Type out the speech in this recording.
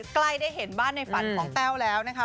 ใกล้ได้เห็นบ้านในฝันของแต้วแล้วนะคะ